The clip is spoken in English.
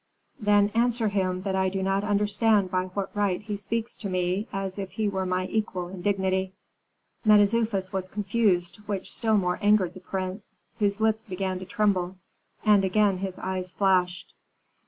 "Then answer him that I do not understand by what right he speaks to me as if he were my equal in dignity." Mentezufis was confused, which still more angered the prince, whose lips began to tremble; and again his eyes flashed.